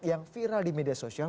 yang viral di media sosial